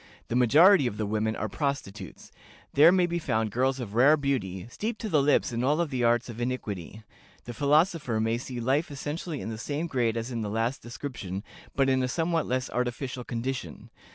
The majority of the women are prostitutes: there may be found girls of rare beauty, steeped to the lips in all the arts of iniquity. The philosopher may see life essentially in the same grade as in the last description, but in a somewhat less artificial condition.